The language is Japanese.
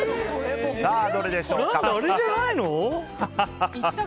さあ、どれでしょうか？